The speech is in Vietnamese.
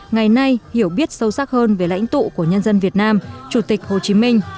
ngày nay hiểu biết sâu sắc hơn về lãnh tụ của nhân dân việt nam chủ tịch hồ chí minh